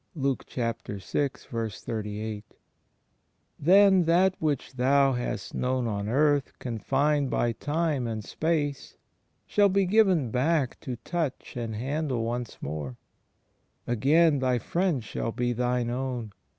^ Then that which thou hast known on earth confined by time and space shall be given back to touch and handling once more. Again thy Friend shall be thine own.